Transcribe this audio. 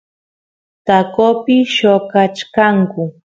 taqopi lloqachkanku